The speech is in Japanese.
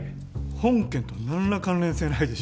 本件とは何ら関連性ないでしょ